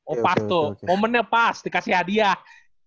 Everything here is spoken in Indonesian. oh pas tuh momennya pas dikasih hadiah